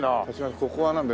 ここはなんだ？